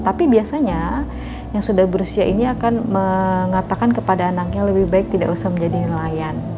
tapi biasanya yang sudah berusia ini akan mengatakan kepada anaknya lebih baik tidak usah menjadi nelayan